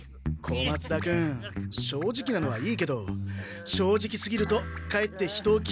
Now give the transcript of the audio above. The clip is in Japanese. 小松田君正直なのはいいけど正直すぎるとかえって人をきずつけてしまうよ。